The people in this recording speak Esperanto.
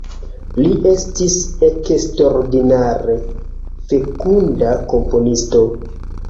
Li estis eksterordinare fekunda komponisto.